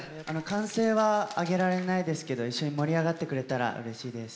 歓声は上げられないですけど、一緒に盛り上がってくれたらうれしいです。